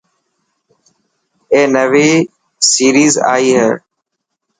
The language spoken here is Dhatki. اي نوي سيريز اي هي.